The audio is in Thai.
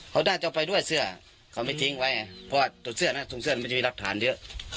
เขาน่าจะไปด้วยเสื้อเขาไม่ทิ้งไว้ไงเพราะว่าตรงเสื้อนะถุงเสื้อมันจะมีรักฐานเยอะ